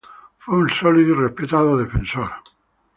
Fue un sólido y respetado defensor.